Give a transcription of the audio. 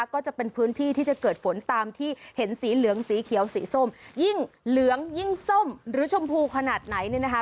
ก็จะเป็นพื้นที่ที่จะเกิดฝนตามที่เห็นสีเหลืองสีเขียวสีส้มยิ่งเหลืองยิ่งส้มหรือชมพูขนาดไหนเนี่ยนะคะ